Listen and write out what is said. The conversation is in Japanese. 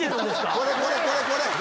これこれこれこれ！